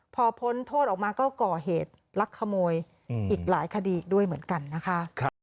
พอพ้นโทษออกมาก็ก่อเหตุลักขโมยอีกหลายคดีด้วยเหมือนกันนะคะ